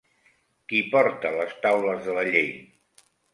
Qui porta les taules de la llei?